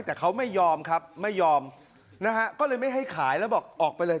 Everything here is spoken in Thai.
แต่เขาไม่ยอมครับไม่ยอมนะฮะก็เลยไม่ให้ขายแล้วบอกออกไปเลย